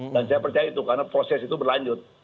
dan saya percaya itu karena proses itu berlanjut